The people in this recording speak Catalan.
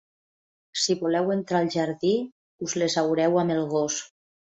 Si voleu entrar al jardí, us les haureu amb el gos.